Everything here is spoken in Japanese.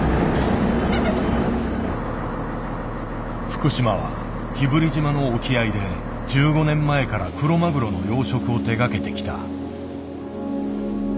福島は日振島の沖合で１５年前からクロマグロの養殖を手がけてきた。